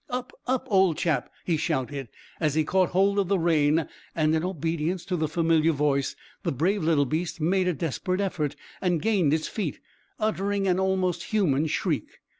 "Up up, old chap!" he shouted, as he caught hold of the rein, and in obedience to the familiar voice the brave little beast made a desperate effort, and gained its feet, uttering an almost human shriek.